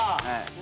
何？